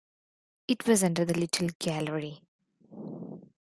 It was under the little gallery.